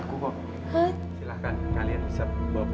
udah gue lepasin sampe